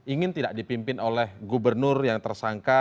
ingin tidak dipimpin oleh gubernur yang tersangka